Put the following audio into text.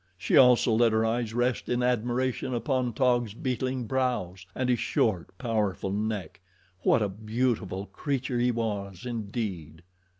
She also let her eyes rest in admiration upon Taug's beetling brows and his short, powerful neck. What a beautiful creature he was indeed!